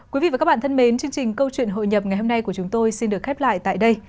quý vị và các bạn thân mến chương trình câu chuyện hội nhập ngày hôm nay của chúng tôi xin được khép lại tại đây